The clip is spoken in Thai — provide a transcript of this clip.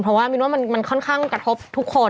เพราะว่ามินว่ามันค่อนข้างกระทบทุกคน